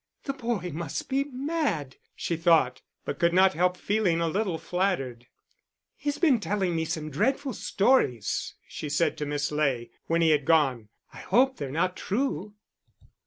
"The boy must be mad," she thought, but could not help feeling a little flattered. "He's been telling me some dreadful stories," she said to Miss Ley, when he had gone. "I hope they're not true."